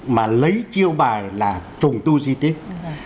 mà lấy chiêu bài là trùng tu di tích